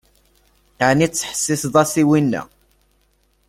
Ɛni tettḥessiseḍ-as i winna?